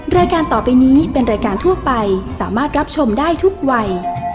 รายการต่อไปนี้เป็นรายการทั่วไปสามารถรับชมได้ทุกวัย